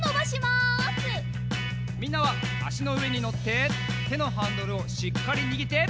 みんなはあしのうえにのっててのハンドルをしっかりにぎって。